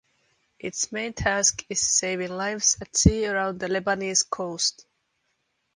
Its main task is saving lives at sea around the Lebanese coast.